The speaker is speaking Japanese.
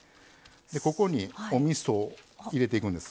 ここにおみそを入れていくんです。